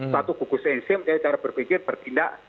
suatu gugus ensim jadi cara berpikir bertindak